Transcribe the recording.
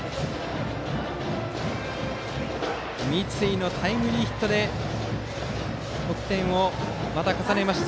三井のタイムリーヒットで得点をまた重ねました。